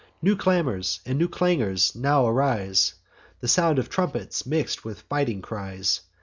New clamours and new clangours now arise, The sound of trumpets mix'd with fighting cries.